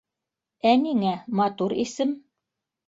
-Ә ниңә, матур исем.